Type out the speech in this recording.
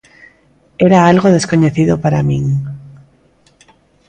Era algo descoñecido para min.